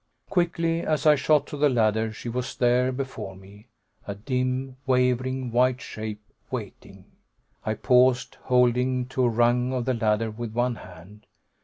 Quickly as I shot to the ladder she was there before me, a dim, wavering white shape, waiting. I paused, holding to a rung of the ladder with one hand.